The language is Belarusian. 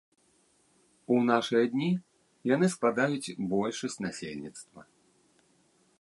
У нашы дні яны складаюць большасць насельніцтва.